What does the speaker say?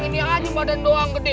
ini aja badan doang gede